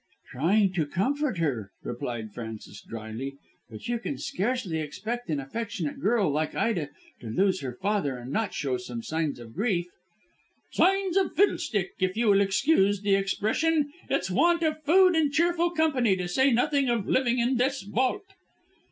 "Trying to comfort her," replied Frances drily. "But you can scarcely expect an affectionate girl like Ida to lose her father and not show some signs of grief." "Signs of fiddlestick, if you will excuse the expression. It's want of food and cheerful company, to say nothing of living in this vault."